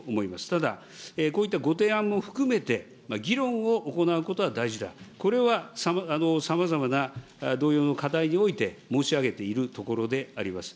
ただ、こういったご提案も含めて、議論を行うことは大事だ、これはさまざまな同様の課題において、申し上げているところであります。